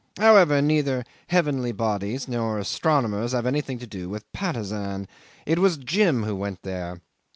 However, neither heavenly bodies nor astronomers have anything to do with Patusan. It was Jim who went there.